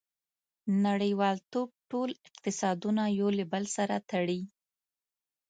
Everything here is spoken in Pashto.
• نړیوالتوب ټول اقتصادونه یو له بل سره تړلي.